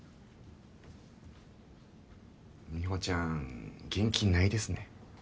美帆ちゃん元気ないですね。